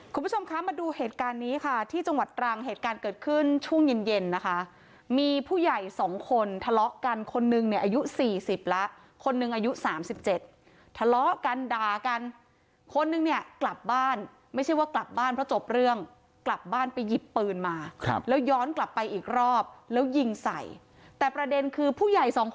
คุณผู้ชมคะมาดูเหตุการณ์นี้ค่ะที่จังหวัดตรังเหตุการณ์เกิดขึ้นช่วงเย็นเย็นนะคะมีผู้ใหญ่สองคนทะเลาะกันคนนึงเนี่ยอายุสี่สิบแล้วคนหนึ่งอายุสามสิบเจ็ดทะเลาะกันด่ากันคนนึงเนี่ยกลับบ้านไม่ใช่ว่ากลับบ้านเพราะจบเรื่องกลับบ้านไปหยิบปืนมาครับแล้วย้อนกลับไปอีกรอบแล้วยิงใส่แต่ประเด็นคือผู้ใหญ่สองคน